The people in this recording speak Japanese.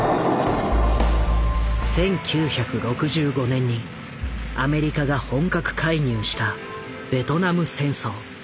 １９６５年にアメリカが本格介入したベトナム戦争。